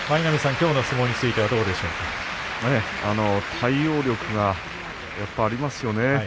きょうの相撲については対応力がやっぱりありますよね。